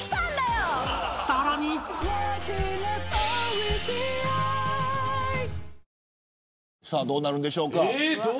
「ビオレ」さあどうなるんでしょうか。